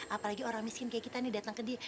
apalagi orang miskin kayak kita nih datang ke dia